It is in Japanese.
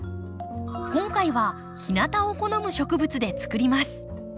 今回は日なたを好む植物でつくります。